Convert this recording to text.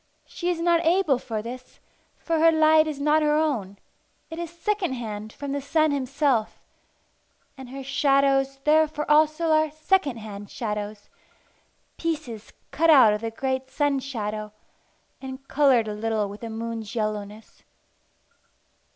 She is not able for this, for her light is not her own; it is second hand from the sun himself; and her shadows therefore also are second hand shadows, pieces cut out of the great sun shadow, and coloured a little with the moon's yellowness.